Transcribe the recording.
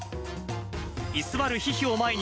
居座るヒヒを前に、